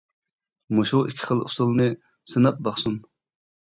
مۇشۇ ئىككى خىل ئۇسۇلنى سىناپ باقسۇن.